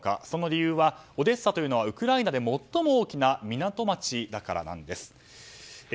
その理由はオデッサというのはウクライナで最も大きな港町だからなんです。